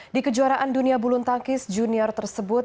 di kejuaraan dunia bulu tangkis junior tersebut